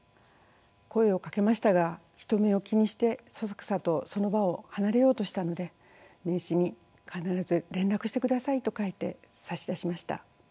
声をかけましたが人目を気にしてそそくさとその場を離れようとしたので名刺に「必ず連絡してください」と書いて差し出しました。